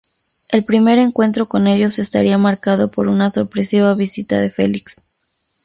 El primer encuentro con ellos estaría marcado por una sorpresiva visita de Felix.